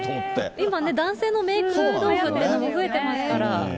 今ね、男性のメーク道具っていうのも増えてますから。